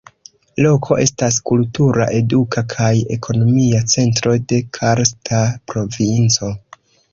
Loko estas kultura, eduka kaj ekonomia centro de Karsta provinco.